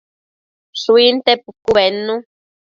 Shuinte pucu bednu